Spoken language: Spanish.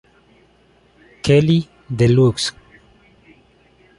Kelly Deluxe".